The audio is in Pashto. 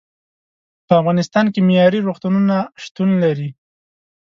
په افغانستان کې معیارې روغتونونه شتون لري.